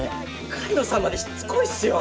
狩野さんまでしつこいっすよ！